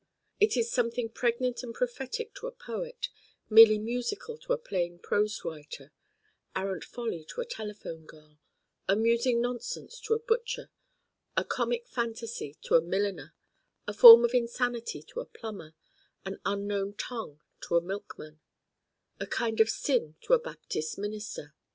It is something pregnant and prophetic to a poet, merely musical to a plain prose writer, arrant folly to a telephone girl, amusing nonsense to a butcher, a comic fantasy to a milliner, a form of insanity to a plumber, an unknown tongue to a milk man, a kind of sin to a Baptist minister.